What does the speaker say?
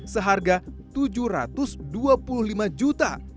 seharga rp tujuh ratus dua puluh lima juta